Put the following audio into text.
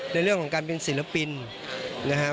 ในเรื่องของการเป็นศิลปินนะครับ